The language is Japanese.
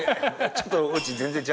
ちょっと。